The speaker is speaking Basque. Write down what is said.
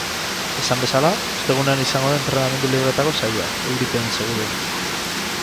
Esan bezala, ostegunean izango da entrenamendu libreetako saioa, euripean seguruenik.